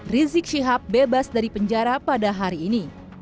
rizik syihab bebas dari penjara pada hari ini